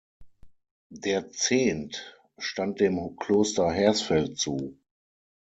Der Zehnt stand dem Kloster Hersfeld zu.